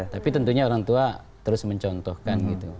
tapi tentunya orang tua terus mencontohkan gitu